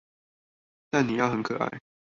但你要很可愛